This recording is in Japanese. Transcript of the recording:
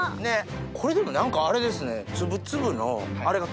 これでも何かあれですね。